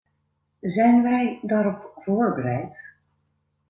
Zijn wij daarop voorbereid?